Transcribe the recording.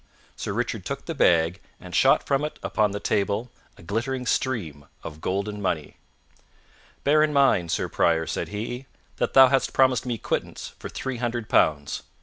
Sir Richard took the bag and shot from it upon the table a glittering stream of golden money. "Bear in mind, Sir Prior," said he, "that thou hast promised me quittance for three hundred pounds.